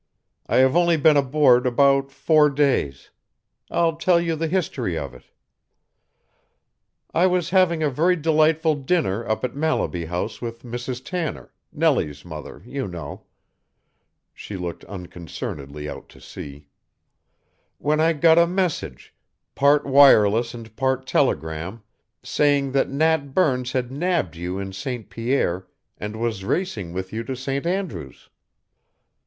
I have only been aboard about four days. I'll tell you the history of it. "I was having a very delightful dinner up at Mallaby House with Mrs. Tanner, Nellie's mother, you know" she looked unconcernedly out to sea "when I got a message, part wireless and part telegram, saying that Nat Burns had nabbed you in St. Pierre and was racing with you to St. Andrew's.